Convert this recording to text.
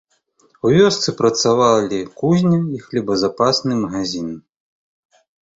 У вёсцы працавалі кузня і хлебазапасны магазін.